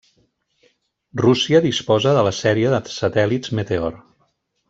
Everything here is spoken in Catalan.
Rússia disposa de la sèrie de satèl·lits Meteor.